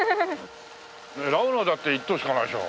狙うのはだって１等しかないでしょ。